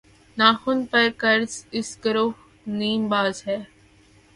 ناخن پہ قرض اس گرہِ نیم باز کا